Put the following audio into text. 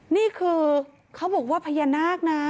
นี่คือเขาบอกว่าพญานาคนะ